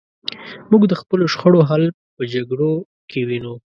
موږ د خپلو شخړو حل په جګړو کې وینو.